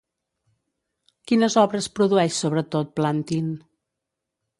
Quines obres produeix sobretot Plantin?